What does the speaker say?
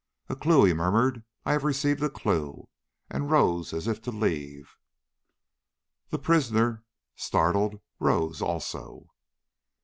"A clue!" he murmured; "I have received a clue," and rose as if to leave. The prisoner, startled, rose also.